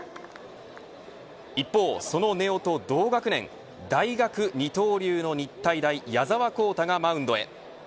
一方、その根尾と同学年大学二刀流の日体大矢澤宏太がマウンドへ。